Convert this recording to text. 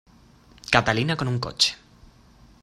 Catalina con un coche.